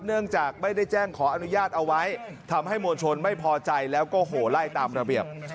เนื่องจากไม่ได้แจ้งขออนุญาตเอาไว้ทำให้มวลชนไม่พอใจแล้วก็โหไล่ตามระเบียบ